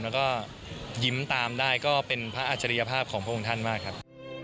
แล้วก็ยิ้มตามได้ก็เป็นพระอัจฉริยภาพของพระองค์ท่านมากครับ